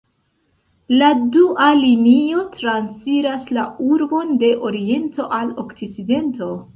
La dua linio transiras la urbon de oriento al okcidento.